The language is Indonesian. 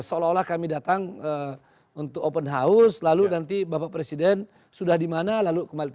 seolah olah kami datang untuk open house lalu nanti bapak presiden sudah dimana lalu kembali